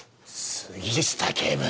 杉下警部！